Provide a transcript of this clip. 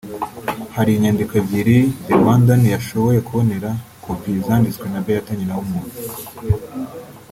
Hari inyandiko ebyiri The Rwandan yashoboye kubonera kopi zanditswe na Béatha Nyinawumuntu